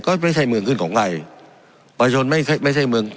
ก็ไม่ใช่เมืองขึ้นของใครประชนไม่ใช่ไม่ใช่เมือง